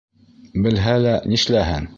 Белһә лә, нишләһен.